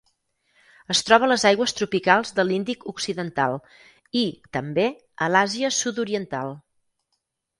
Es troba a les aigües tropicals de l'Índic occidental i, també, a l'Àsia Sud-oriental.